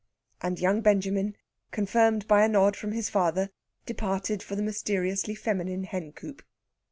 And young Benjamin, confirmed by a nod from his father, departed for the mysteriously feminine hencoop.